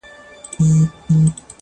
ول کمک را سره وکړه زما وروره,